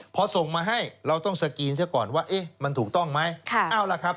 พอส่งมาให้เราต้องสกรีนซะก่อนว่าเอ๊ะมันถูกต้องไหมเอาล่ะครับ